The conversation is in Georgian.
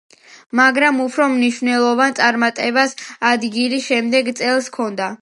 მაგრამ უფრო მნიშვნელოვან წარმატებას ადგილი შემდეგ წელს ჰქონდა.